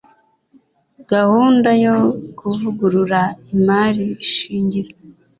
Gahunda yo kuvugurura imari shingiro